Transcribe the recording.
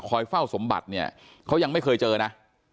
เฝ้าสมบัติเนี่ยเขายังไม่เคยเจอนะ